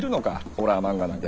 ホラー漫画なんか。